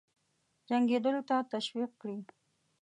جنګېدلو ته تشویق کړي.